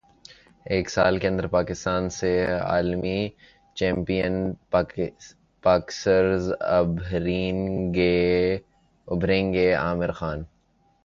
ایک سال کے اندر پاکستان سے عالمی چیمپئن باکسرز ابھریں گے عامر خان